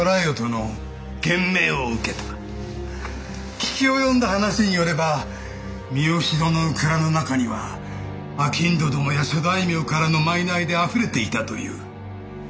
聞き及んだ話によれば三好殿の蔵の中には商人どもや諸大名からの賄であふれていたという。